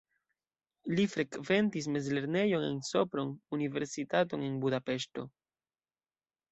Li frekventis mezlernejon en Sopron, universitaton en Budapeŝto.